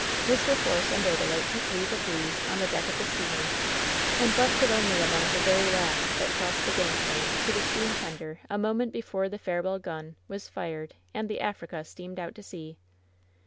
Mr. Force and Odalite tock leave of Le on the deck of the steamer, and left it only among the very last that crossed the gang plank to the steam tender a moment before the farewell gun was fired and the Africa steamed out to sea.